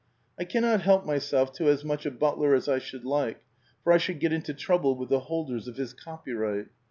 I cannot help myself to as much of Butler as I should like, for I should get into trouble with the holders of his copyright.